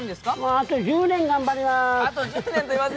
あと１０年頑張りまーす。